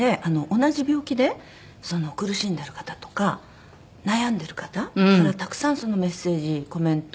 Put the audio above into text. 同じ病気で苦しんでる方とか悩んでる方からたくさんメッセージコメント。